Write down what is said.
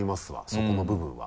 そこの部分は。